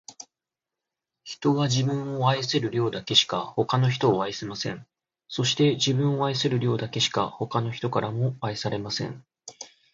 人は、自分を愛せる量だけしか、他の人を愛せません。そして、自分を愛せる量だけしか、他の人からも愛されません。